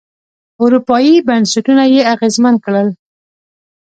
اروپايي بنسټونه یې اغېزمن کړل.